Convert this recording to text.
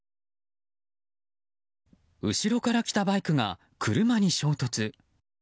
後ろから来たバイクが車に衝突。